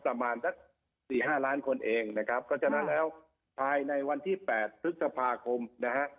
ประมาณสักสี่ห้าล้านคนเองนะครับเพราะฉะนั้นแล้วภายในวันที่๘พฤษภาคมนะฮะ